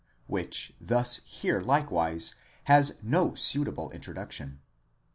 which thus here likewise has no suitable introduction.